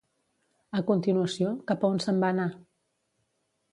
A continuació, cap a on se'n va anar?